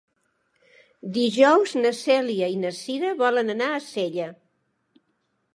Dijous na Cèlia i na Cira volen anar a Sella.